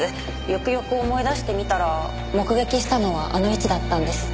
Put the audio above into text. よくよく思い出してみたら目撃したのはあの位置だったんです。